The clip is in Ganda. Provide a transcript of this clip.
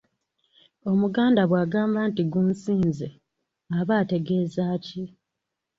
Omuganda bw'agamba nti “Gusinze”, aba ategeeza ki?